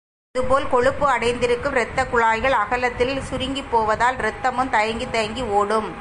அதுபோல, கொழுப்பு அடைந்திருக்கும் இரத்தக் குழாய்கள் அகலத்தில் சுருங்கிப்போவதால், இரத்தமும் தயங்கித் தயங்கி ஓடும்.